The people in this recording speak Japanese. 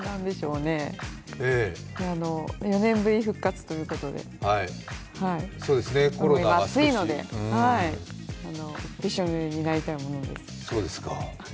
４年ぶりに復活ということで今、暑いので、びしょぬれになりたいものです。